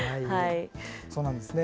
そうなんですね。